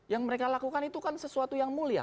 yang mereka lakukan itu kan sesuatu yang mulia